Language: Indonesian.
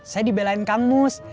saya dibelain kang mus